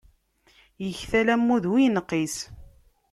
Iktal ammud, ur inqis.